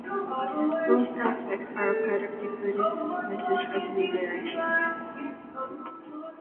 Both aspects are part of the Buddhist message of liberation.